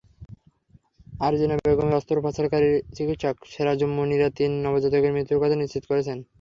আরজিনা বেগমের অস্ত্রোপচারকারী চিকিৎসক সিরাজুম মুনিরা তিন নবজাতকের মৃত্যুর তথ্য নিশ্চিত করেছেন।